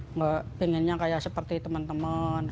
nggak pengennya kayak seperti teman teman